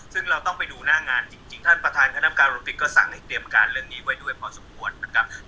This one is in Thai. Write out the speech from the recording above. ซึ่งเราต้องไปดูหน้างานจริงท่านประธานคณะกรรมการโรปิกก็สั่งให้เตรียมการเรื่องนี้ไว้ด้วยพอสมควรนะครับ